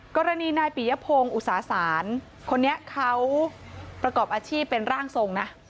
กรณีนายปิยพงศ์อุตสาศาลคนนี้เขาประกอบอาชีพเป็นร่างทรงนะ